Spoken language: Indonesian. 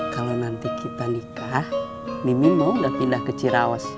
kalau nanti kita nikah mimin mau gak pindah ke ciraos